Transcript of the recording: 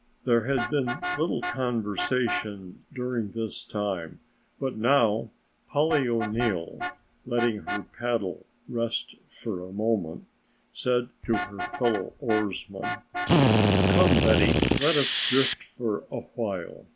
There had been little conversation during this time, but now Polly O'Neill, letting her paddle rest for a moment, said to her fellow oarsman: "Come, Betty, let us drift for a while.